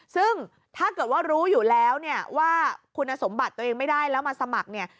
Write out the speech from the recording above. ซึ่งถ้าเกิดว่ารู้อยู่แล้วเนี่ยว่าคุณสมบัติตัวเองไม่ได้แล้วมาสมัครเนี่ย